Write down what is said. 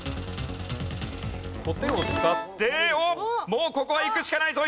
もうここはいくしかないぞ！